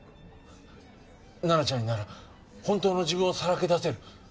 ナナちゃんになら本当の自分をさらけ出せる。